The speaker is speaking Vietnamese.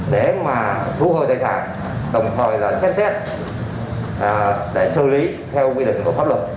để mà thú hơi tài sản đồng thời là xét xét để xử lý theo quy định của pháp luật